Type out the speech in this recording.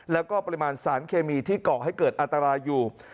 แล้วก็ปริมาณสารเคมีที่ก่อให้เกิดอันตรายอยู่